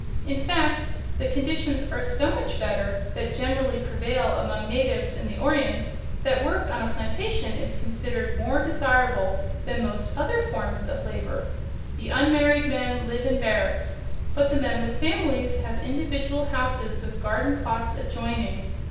In fact the conditions are so much better than generally prevail among natives in the Orient that work on a plantation is considered more desirable than most other forms of labor. The unmarried men live in barracks, but the men with families have individual houses with garden plots adjoining.